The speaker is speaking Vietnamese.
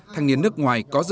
thành niên nước ngoài có dự án